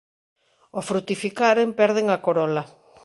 Ao frutificaren perden a corola.